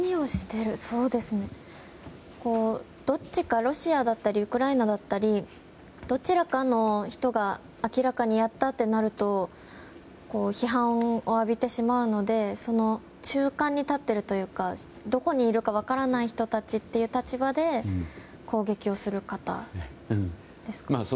どっちか、ロシアだったりウクライナだったりどちらかの人が明らかにやったとなると批判を浴びてしまうのでその中間に立っているというかどこにいるか分からない人たちという立場で攻撃をする方ですか。